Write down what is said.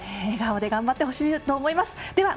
笑顔で頑張ってほしいと思います。